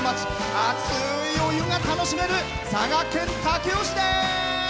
熱いお湯が楽しめる佐賀県武雄市です！